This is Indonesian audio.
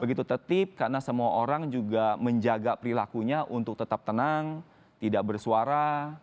begitu tertib karena semua orang juga menjaga perilakunya untuk tetap tenang tidak bersuara